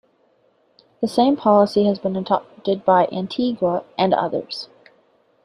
The same policy has been adopted by Antigua, and others.